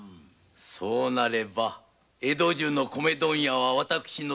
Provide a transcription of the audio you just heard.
そうなれば江戸中の米問屋は私の支配下。